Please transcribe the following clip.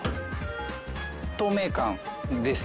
透明感ですね。